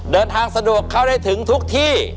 เดินทางสะดวกเข้าได้ถึงทุกที่